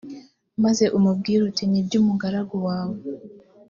maze umubwire uti ni iby umugaragu wawe